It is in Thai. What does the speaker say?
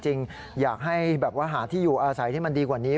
จริงอยากให้แบบว่าหาที่อยู่อาศัยที่มันดีกว่านี้